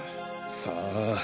さあ。